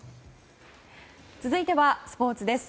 続いてはスポーツです。